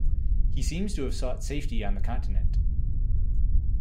He seems to have sought safety on the Continent.